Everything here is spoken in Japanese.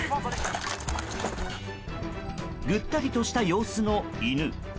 ぐったりとした様子の犬。